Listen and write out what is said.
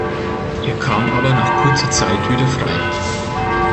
Er kam aber nach kurzer Zeit wieder frei.